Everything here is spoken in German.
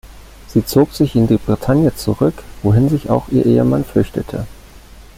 Sie zog sich in die Bretagne zurück, wohin sich auch ihr Ehemann flüchtete.